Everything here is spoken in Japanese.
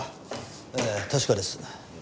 ええ確かです。